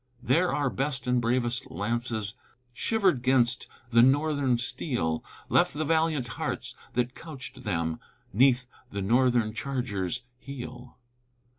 There our best and bravest lances Shivered 'gainst the Northern steel, Left the valiant hearts that couched them 'Neath the Northern charger's heel.